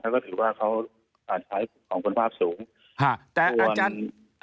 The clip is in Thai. ก็ถือว่าเขาอ่าใช้ของคุณภาพสูง